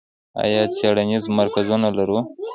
آیا څیړنیز مرکزونه لرو؟